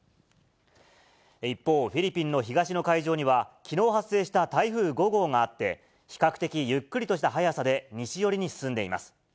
一方、フィリピンの東の海上には、きのう発生した台風５号があって、比較的ゆっくりとした速さで西寄りに進んでいます。